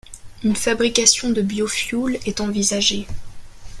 Une fabrication de biofuel est envisagée.